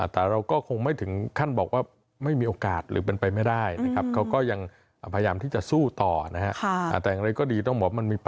แต่เราก็คงไม่ถึงขั้นบอกว่าไม่มีโอกาสหรือเป็นไปไม่ได้นะครับ